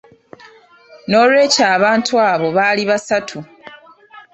N'olwekyo abantu abo baali basatu.